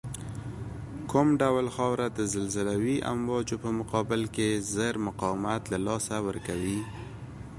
کوم ډول خاوره د زلزلوي امواجو په مقابل کې زر مقاومت له لاسه ورکوی